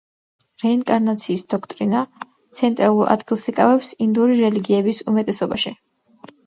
რეინკარნაციის დოქტრინა ცენტრალურ ადგილს იკავებს ინდური რელიგიების უმეტესობაში.